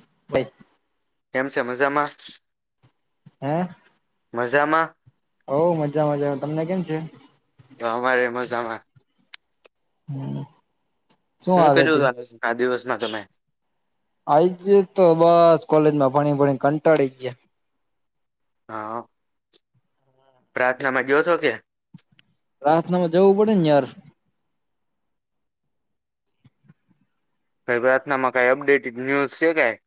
[inaudible] કેમ છે, મજામા? હે મજામાં? હવ મજામા તમને કેમ છે? તો અમારે મજામાં હમ. શું હાલ હતી હું [unintelligible] દિવસમાં તમે આ જ તો બસ કોલેજમાં ભણી ભણી કંટાળી ગયા. હા પ્રાર્થનામાં ગયો તો કે? પાથનામાં જવું પડે ને યાર ભાઈ પ્રાર્થનામાં કંઈ અપડેટેડ ન્યૂઝ છે, કાઈ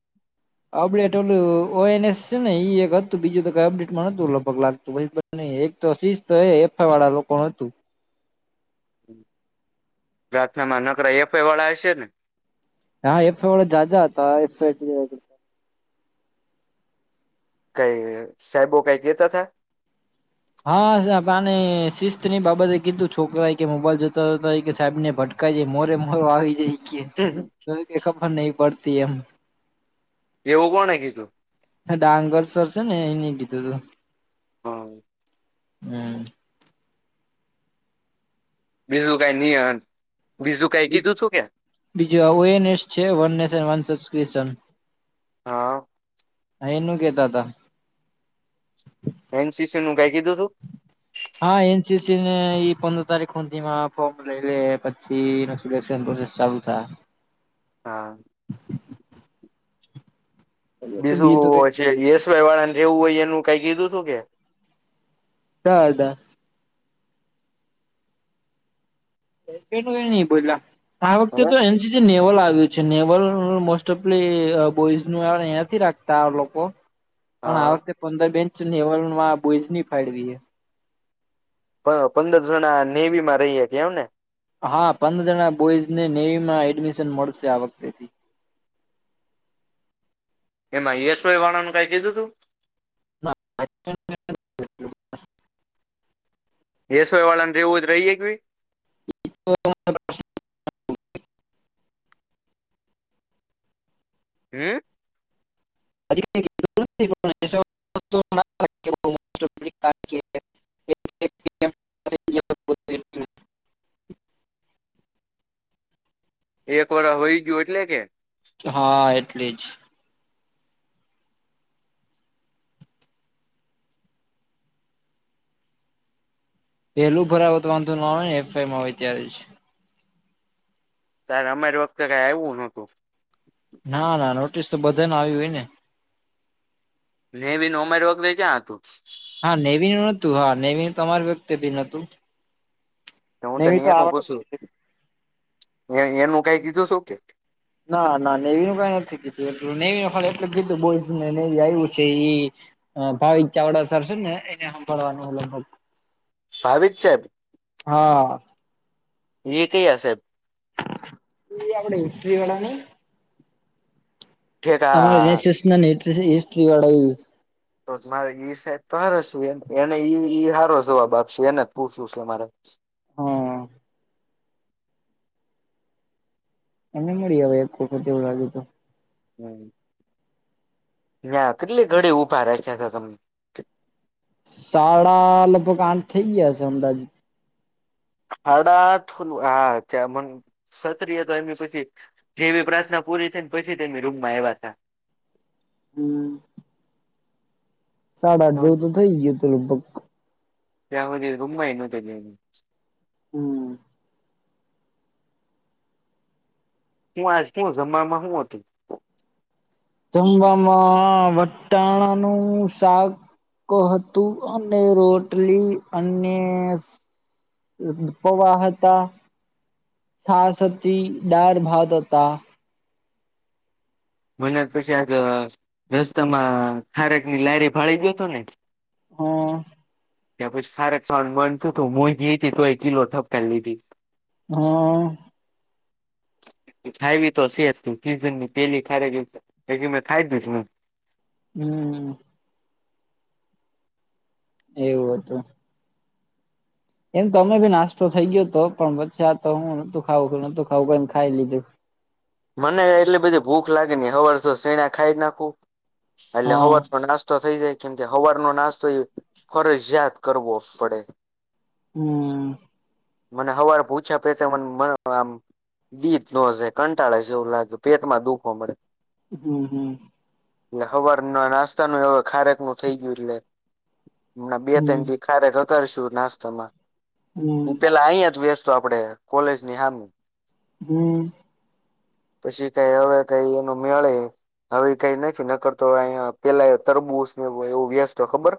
અપડેટ ઓલું ઓ એનએસ છે, ને ઈ એક હતું બીજું તો કઈ અપડેટમાં નોતું લગભગ લાગતું પ નય એક તો શિસ્તો એ એફ વાળા લોકો હતું પ્રાર્થનામાં નકરા એફઆઈ વાળા હશે ને હા એફ વાળા જાદા હતા [unintelligible] કઈ સાહેબો કઈ કેતા થા હા સાહેબ આ અને શિસ્તની બાબતે કીધું છોકરાએ કે મોબાઈલ જોતા જતા હોય કે સાહેબ ને ભટ [unintelligible] મોરે મોરો આવી જાય કે ખબર નય પડતી એમ એવું કોણે કીધું ડાંગર સર છે, ને એ નહી કીધું તું હ. હમ. બીજું કઈ નિય બીજું કઈ કીધું છું કે? બીજું ઓવો એનેસ છે, વન નેશન વન સબક્રપ્શન હા. એનું કેતાતા એનસીસી નું કઈ કીધું તું હા એનસીસી ને ઈ પંદર તારીખ હુધીમાં ફોર્મ લઈ લે પછી [unintelligible] ચાલુ થા હા. તો બીજું વું તો કઈ હોય છે યશભાઈ વાળાને રહેવું હોય એનું કઈ કીધું હતું કે [inaudible] [unintelligible] બોયલા આ વખતે હવે તો એનસી જે નેવલ આવ્યું છે, નેવલ મોસ્ટ ઓફલી બોઈઝ નંથી રાખતા લોકો [unintelligible] પણ આ વખતે પંદર બેન્ચ લેવલમાં બોઈઝ ની ફાળવી. પા પંદરસો ના નેવી માં રહીએ કે એમ ને. હા પંદર જણા બોઈઝ ને નેવી માં એડમિશન મળશે આ વખતે થી. એમાં એસ વાય વાળાનું કઈ કીધું તું. [unintelligible] [unintelligible] એસ વાય વાળાને રહેવું જ રહીએે [unintelligible] [unintelligible] હામ. [unintelligible] એક વાળ હોઈ ગયું એટલે કે. હા એટલે જ. પેલું ભરાવ તો વાંધો ન આવે ને એફવાય માં હોય ત્યારે જ. ત્યારે અમારી વખતે કઈ આવું નતું. ના ના નોટિસ તો બધા ને આવી હોય ને. નેવી નો મેરો [unintelligible] હા નેવીન નતું હા નેવીન તમારી વ્યક્તે બી નતું. હું નેવી તને તો આ એનું પૂછું એ એનું કઈ કીધું શું કે. ના ના નેવી નું કઈ નથી કીધું એટલું નેવી નો પણ એટલું કીધું બોઈઝને નેવી આવ્યું છે એ ઈ હ ભાવિક ચાવડા સર છે ને એને સાંભળવાનું હતું. ભાવિત સાહેબ એ હા કયા સાહેબ. એ આપડે હિસ્ટ્રી વાળા નઈ. અમારે ઠેકા [unintelligible] ન ને એટલે હિસ્ટ્રી વાળા એ. તો મારે ઈ સાઈબ તો હાર એને સારો જવાબ આપશે એને જ પૂછવું છે મારે. હા એમને મળી હવે એક વખત જેવું લાગ્યું હતું. [unintelligible] ન્યા કેટલી ઘડી ઊભા રાખ્યા તા તમને? સાળા લગભગ થઇ ગયા હશે અંદાજીત. [inaudible] સતિય તો એમની પછી જેવી પ્રાર્થના પૂરી થઈ ને પછી એમની રૂમ માં આવયા હતા. હમ સાડા આઠ જેવું તો થઈ ગયું તો લગભગ. ત્યા રૂમમાં એનું તને હમ્મ. હું આજ શ જમમાં હું હતું. જમવામાં વટાણાનું‌ શાક. કતું અને રોટલી અને પોવા હતા. છાશ હતી દાળ ભાત હતા. મને જ પછી આ રસ્તામાં ખારક ની લાયારી ફાળાઈ ગયો હતો ને! હા. ત્યાં પછી સાર [unintelligible] હા [inaudible] ખાયી તો સે સીઝન ની પેલી ખરેગ મેં ખાય દીસ ને. હમ્મ. એવું હતું. એમ તો અમે ભી નાસ્તો થઈ ગયો હતો પણ પછી આ તો હું નતું ખાવું નતું ખાવું પણ ખાઈ લીધું. મને એટલી બધી ભૂખ લાગે ને હવેર જો શેણા ખાઈ નાખું એટલે હા હવર પણ નાસ્તો થઈ જાય કેમ કે હવાર નો નાસ્તો એ ફરજિયાત કરવો પડે. હમ્મ. મને હવાર પૂછા પે મન મન આમ દીપ જોશે કન કળાએ જેવું લાગે પેટમાં દુખવો મળે. હમ્મ, હમ્મ. એટલે હવાર ના નાસ્તાનું હવે ખારેક નું થઇ ગયું એટલે હમણા બે હમ ત્રણ દી થી ખારે તોશું નાસ્તામાં. હમ તું પેલા અહીયા જ બેસતો આપડે કોલેજ ની હામું. હમ્મ. પછી કઈ હવે કઈ એનું મેળે હવે કઈ નથી નકરતો અયા પેલા તરબુજ ને એવું વ્યસ્તતો ખબર?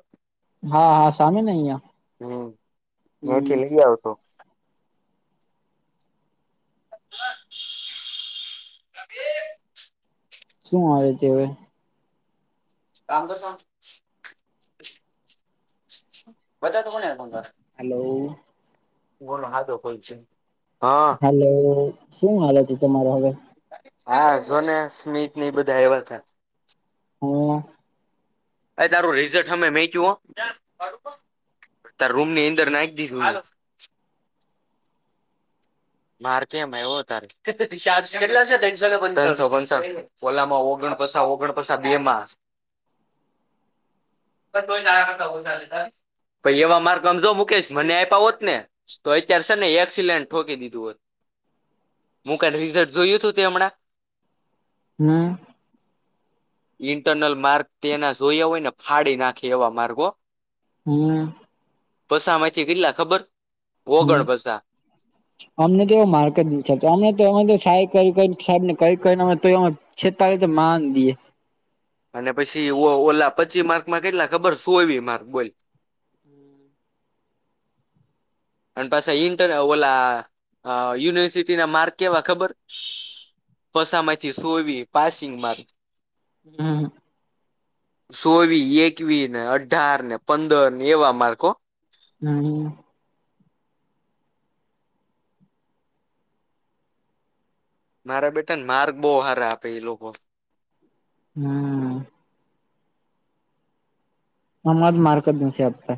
હા હા સામે ને અહીંયા, હમ્મ. જે આવતો. [inaudible] હ એ શું મળે છે હવે. તામ તો સ બધા તો કોણે ભંગાર. હલો. ગુણ હાદો હોય છે. હા. હલો શું હાલ હતી તમારો હવે? હા, જોને સ્મિત ની બધા આએવા તા. હા. એ તારું રિઝલ્ટ અમે મેકીયું હો તાર રૂમની અંદર નાખ દીશું. મારતી એમાં એવું તારે. ઓલામાં ઓગણ પછા ઓગણ પછા બે માં. બ કોઈ ના ક કવું ચાલે તારે. પઈ એવા માર કમજો મુકેશ મને આપ્યા હોત ને તો અત્યારે સર ને એક્સિડન્ટ ઠોકી દીધી. જુવત. હું ક વિ જોયું તું તે હમણાં? હમ્મ. ઇન્ટરનલ માર્ક તેના સોયે હોય ને ફાડી નાખે એવા માર્ગ હો. હમ્મ. બસા આમેથી કેટલા ખબર? હમ્મ. ઓગણ પસા અમને તો એવ માર્કે જ નથી આપતા અમે તો એમાં તો સાહિ કરી કરી સાહેબને કઇ કઇ ને તો તે ઓ છેતાલી ત માન દીએ. અને પછી ઓ ઓ ઓલા પચી માર્કમાં કેટલા ખબર ચૌવી માર્ક બોલ. અને પાછા ઇન્ટર ઓલા અહ યુનિવર્સિટી ના માર્ક કેવા ખબર પસામાંથી સોવી પાસિંગ માર્ક. હું ચોવી એકવી ને અઢાર ને પંદર ને એવા માર્ક હો [unintelligible] મારા બેટા ને માર્ક બો હારા આપે એ લોકો હમ અમાર માર્ક જ નથી આપતા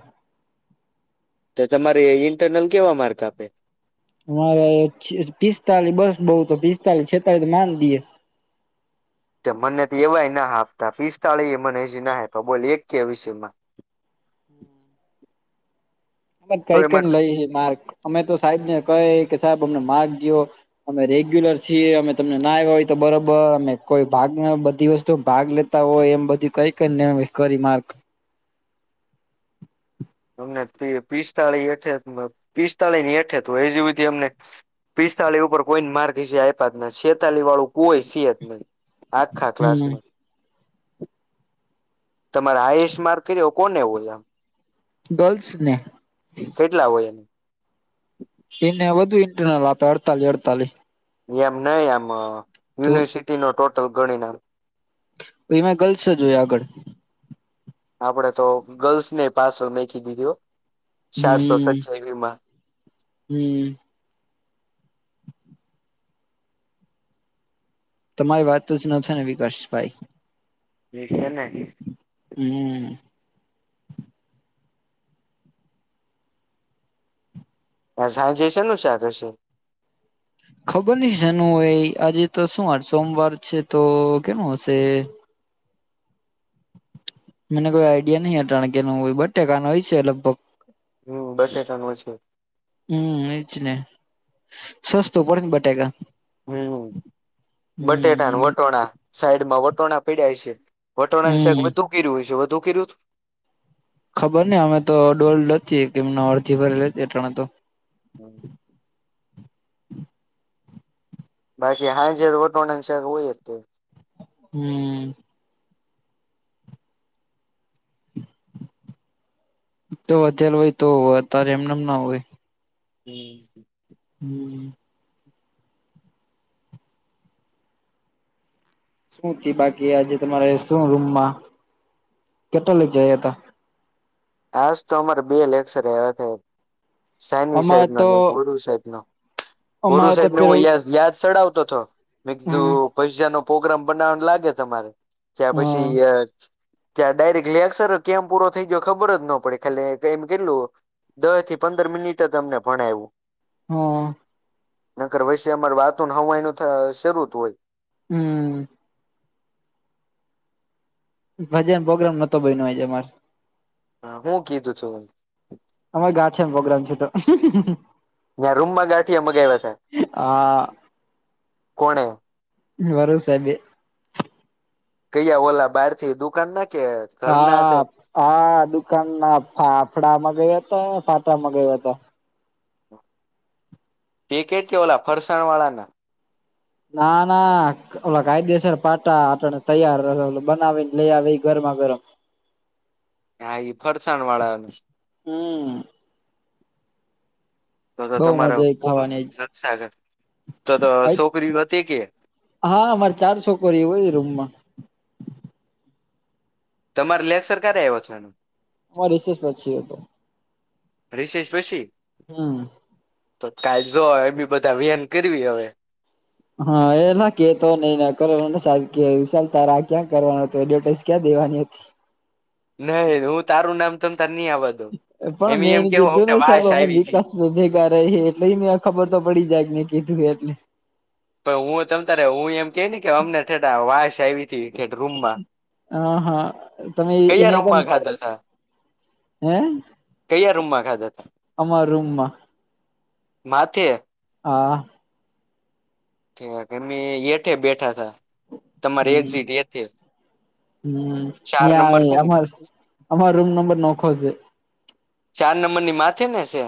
ત તમારે ઇન્ટરનલ કેવા માર્ક આપે મારે પિસ્તાલી બસ બઉ તો પિસ્તાલી છેતાલી માન દીએે મને તો એવાય ના હાપતા પીસ્તાળીયે મને હજી ના અપાય બોલ એક કે વિષયમાં [inaudible] કઈ કઈ એમાં ને લઈએ માર્ક અમે તો સાયેબને કઇ કે સાયેબ અમને માર્ક દીયો અમે રેગ્યુલર છીએ અમે તમને ના આયવા હોય તો બરોબર અમે કોઈ ભાગન બધી વસ્તુ ભાગ લે તા હોય એમ બધું કઈ કઈ કરી માર્ક અમને પિસ્તાળી એઠ ત પિસ્તાળી ની એઠે તો એજુ હુદિ અમને- પિસ્તાળી ઉપર કોઈને માર્ગ હજી આયપા જ નહિ છેતાલી વાળું કોઈ સેજ નઇ આખા હમ ક્લાસમાં તમારે હાઈએસ માર્ક કર કોને ઓલા ગર્લ્સ ને કેટલા હોયે એને વધુ ઇન્ટરનલ આપે અડતાલી અડતાલી એમ નઈ આમ તો યુનિવર્સિટીનો ટોટલ ગણી ને એમાં ગર્લ્સ જ હોય આગળ આપડે તો ગર્લ્સ ને પાસો મેખી દીધું હો ચારસો હમ સત્યાવીસ માં હમ તમારી વાત જ ન થાય ને વિકાસભાઈ હેને હમ સાંજે શેનું શાક હસે ખબર નઇ સેનું એ આજે તો શું વાર સોમવાર છે તો કેનું હશે? મને કોઈ આઈડિયા નહીં અત્યારે કે નું હોય બટેકાનું હોય છે લગભગ બટેકાનું હસે હું એજ ને સસ્તું પડે ન બટેકા હું બટેટા ન હમ વટોણા સાઈડ માં વટોણા પડ્યા હસે વટોણા ની સાક હમ બધું કર્યું હોય સે બધું કરીયું ખબર ને અમે તો ડોલ નથી કે એમને અડધી ભરી લેતી તણે તો [inaudible] બાકી હાંજે વટોનાની શાક હોય જ તે હમ તો વધેલ હોય તો હોય અત્યારે એમનેમ ના હોય [unintelligible] [unintelligible] શું થી બાકી આજે તમારે શું રૂમમાં કેટલા લક જયા હતા આજ તો અમારે બે લેક્ચર સાની અમારે સાહેબ ન તો ગોરુ સાહેબ નો ગોરુ અમારે તો સાહેબ ન હ પેલું યા યાદ ચડાવતો હતો મેં હમ કીધું પૈ પોગરામ બનાવવાનું લાગે તમારે ત્યા હ પછી ત્યાં ડાયરેક્ટ લેક સર કેમ પૂરો થઈ ગયો? ખબર જ ન પડે, ખાલી એમ કેટલું દસ થી પંદર મિનિટ જ અમને ભણાયું. હ. નકર વૈષ અમારે વાતુ હવા એનું શરૂત હોય. હમ. ભજન પ્રોગ્રામ નતો બયનો, આજે અમારે. [unintelligible] અમારે ગાછમાં પ્રોગ્રામ છે, તો ત્યાં રૂમમાં ગાંઠિયા મગાવ્યા છે, હા કોને વરો સાજે કૈયા ઓલા બાર થી દુકાન ના કે ઘરના હા, હતા હા, દુકાન ના ફાફડા માં ગયા હતા, ફાટામાં ગયા હતા. પેકેટ કેવલા ફરસાણવાળાના? ના, ના, ઓલા કાયદેસર પાટા આપટને તૈયારશે બનાવીને લઈ આવે ગરમા ગરમ. હ, ઈ ફરસાણ વાળાનું. હમ. તો, તો, બઉ તમારા મજા આઈ પો ખાવાની જ તો તો છોકરી હતી કે હા, અમારે ચાર છોકરી હોય, રૂમ માં. તમારે લેક્સર ક્યારે આવ્યો છે? એનુ અ રિશેષ પછી હતો. રિષેશ પછી? હા. તો કાલ જો એ બી બધા વ્યાન કરવી હવે. હા, એલા કેતો નહેશ તારા ક્યા કરવાનું એડવર્ટાઈઝ ક્યાં દેવાની હતી? નહી હું તારું નામ તમ તાર નહી આવ દ એમ પણ મેં એમ એને કીધું કેવોમને ને સાહેબ વાસ અમે આવી. વિકાસ ભેગા રહી હ એટલે એ મે ખબર તો પડી જાય, મેં કીધું એટલે? પણ હું તમ તારે હું એમ કે ને કે અમનેે વાસ આવી. હતી ઠેઠ રૂમમાં હ હા તમે કયા અહં તો રૂમમાં ખાધા તા હે? કયા રૂમ માં ખાધા હતા? અમારા રૂમમાં. માથે હા. અમે એઠે બેઠા હતા, તમારી હમ એક્ઝિટ એથે હમ, ચાર નંબર છે ન્યાં ને અમાર અમાર રૂમ નંબર નોખો છે. ચાર નંબર ની માથે ને છે?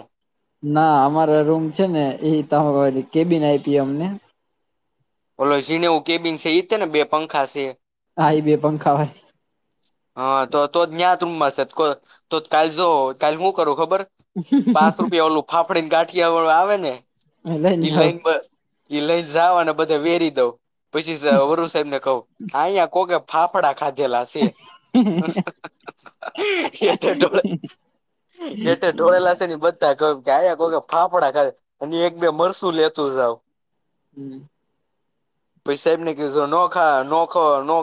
ના અમારા રૂમ છે ને, એ તમે કેબિન આયપી અમને ઓલો ીનેવું કેબિન છે, છે ને, બે પંખા છે. હા, એ બે પંખા હોય. હા, તો તો જ્યાત રમમાં સાહેબ તો કાલ જો કાલે શું કરું ખબર પાંચ રૂપિયા ઓલું ફાફડી ને ગાંઠિયા વાળું આવે ને, વાળી લઈને એ જાવ લઈન એ લઈને જવા અને બધે વેરી દઉ પછી વરુ સાહેબ ને કહું અહીયા કોકે ફાફડા ખાધ્યેલા સ એઠોળ એટલે ઢોળેલા છે ને, બધા ગયા કો કે ફાફડા ખાય અને એક બે મરસું લેતું જાવ. હમ. પછીસાહેબ ને કીધુનોખા નોખો નો